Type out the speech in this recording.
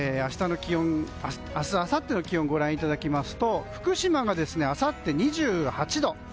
明日、あさっての気温をご覧いただくと福島があさって２８度。